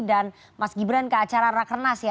dan mas gibran ke acara rakyat nas ya